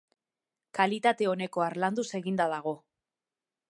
Kalitate oneko harlanduz eginda dago.